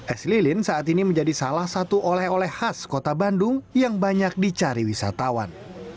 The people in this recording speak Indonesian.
es lilin saat ini menjadi salah satu oleh oleh khas kota bandung yang banyak dicari wisatawan